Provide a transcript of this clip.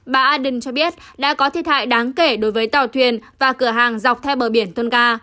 bà ardern cho biết đã có thiệt hại đáng kể đối với tàu thuyền và cửa hàng dọc theo bờ biển tôn ga